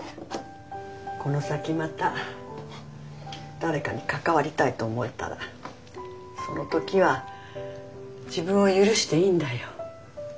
この先また誰かに関わりたいと思えたらその時は自分を許していいんだよ。